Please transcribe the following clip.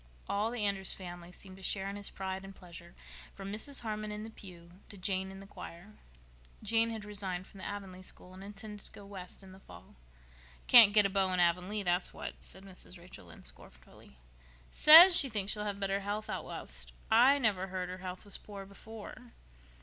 All the Andrews family seemed to share in his pride and pleasure, from Mrs. Harmon in the pew to Jane in the choir. Jane had resigned from the Avonlea school and intended to go West in the fall. "Can't get a beau in Avonlea, that's what," said Mrs. Rachel Lynde scornfully. "Says she thinks she'll have better health out West. I never heard her health was poor before."